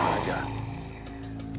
oh listing kekuatannya